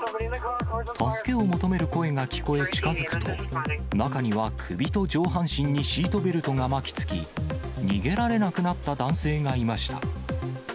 助けを求める声が聞こえ、近づくと、中には首と上半身にシートベルトが巻きつき、逃げられなくなった男性がいました。